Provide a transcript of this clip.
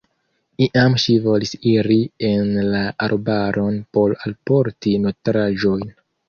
Iam ŝi volis iri en la arbaron por alporti nutraĵon.